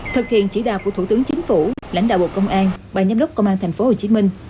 thực hiện chỉ đạo của thủ tướng chính phủ lãnh đạo bộ công an ban giám đốc công an thành phố hồ chí minh